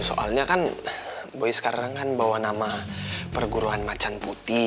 soalnya kan boy sekarang kan bawa nama perguruan macan putih